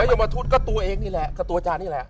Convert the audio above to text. แล้วยมทูตก็ตัวเองนี่แหละกับตัวจานี่แหละ